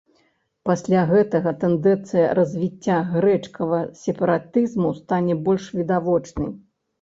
Пасля гэтага тэндэнцыя развіцця грэчкавага сепаратызму стане больш відавочнай.